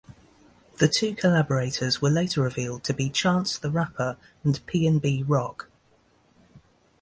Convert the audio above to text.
The two collaborators were later revealed to be Chance the Rapper and PnB Rock.